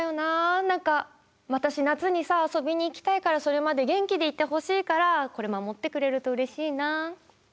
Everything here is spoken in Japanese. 何か私夏にさ遊びに行きたいからそれまで元気でいてほしいからこれ守ってくれるとうれしいな。